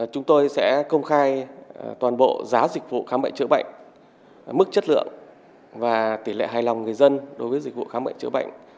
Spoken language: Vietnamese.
chúng tôi sẽ công khai toàn bộ giá dịch vụ khám bệnh chữa bệnh mức chất lượng và tỷ lệ hài lòng người dân đối với dịch vụ khám bệnh chữa bệnh